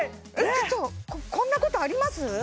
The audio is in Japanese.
ちょっとこんなことあります？